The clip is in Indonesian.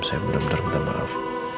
saya benar benar minta maaf